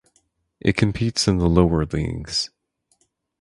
It competes in the lower leagues.